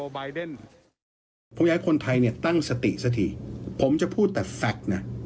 ผมอยากให้คนไทยเนี่ยตั้งสติสักทีผมจะพูดแต่แฟคเนี่ย